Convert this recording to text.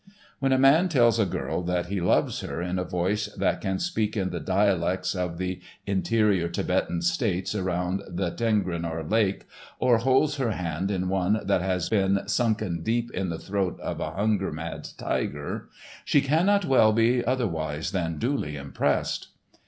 When a man tells a girl that he loves her in a voice that can speak in the dialects of the interior Thibetan states around the Tengrinor lake, or holds her hand in one that has been sunken deep in the throat of a hunger mad tiger, she cannot well be otherwise than duly impressed.